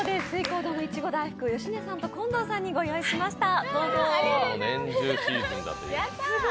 翠江堂のいちご大福、近藤さんと芳根さんにご用意しました。